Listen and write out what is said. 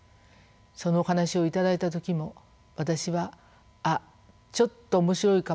そのお話を頂いた時も私は「あっちょっと面白いかも」と思ったんですね。